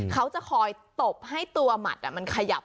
เขาจะคอยตบให้ตัวหมัดมันขยับ